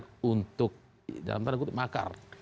untuk dalam tanda kutip makar